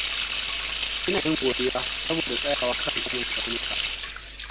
E na yin godiya saboda tsayawa kan saman tsaunuka.